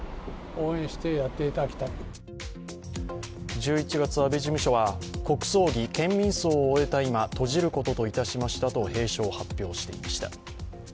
１１月、安倍事務所は国葬儀、県民葬を終えた今閉じることといたしましたと閉所を発表していました。